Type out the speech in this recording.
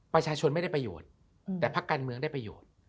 ประชาชนไม่ได้ประโยชน์แต่พักการเมืองได้ประโยชน์